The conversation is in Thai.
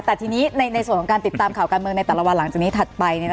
แต่ทีนี้ในส่วนของการติดตามข่าวการเมืองในแต่ละวันหลังจากนี้ถัดไป